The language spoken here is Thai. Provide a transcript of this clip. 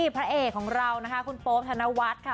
พระเอกของเรานะคะคุณโป๊ปธนวัฒน์ค่ะ